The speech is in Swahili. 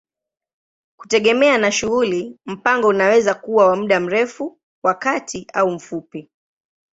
Kutegemea na shughuli, mpango unaweza kuwa wa muda mrefu, wa kati au mfupi.